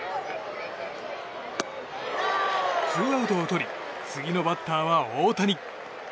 ツーアウトをとり次のバッターは大谷。